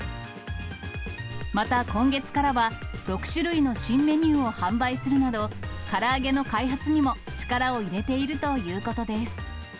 また今月からは、６種類の新メニューを販売するなど、から揚げの開発にも力を入れているということです。